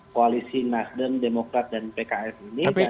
koalisi nasdem demokrat dan pks ini